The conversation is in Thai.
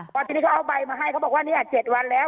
พอทีนี้เขาเอาใบมาให้เขาบอกว่านี่๗วันแล้ว